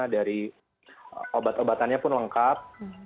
dari obat obatannya pun lengkap